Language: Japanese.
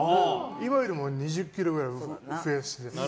今より２０ｋｇぐらい増やしてて。